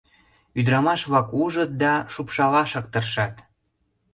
Ӱдырамаш-влак ужыт да шупшалашак тыршат.